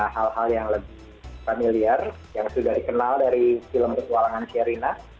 hal hal yang lebih familiar yang sudah dikenal dari film petualangan sherina